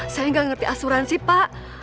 saya nggak ngerti asuransi pak